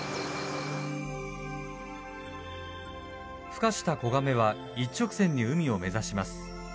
ふ化した子ガメは一直線に海を目指します。